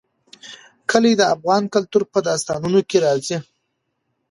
کلي د افغان کلتور په داستانونو کې راځي.